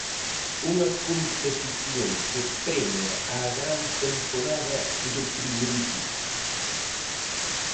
Unha competición que premia a gran temporada do Frigoríficos.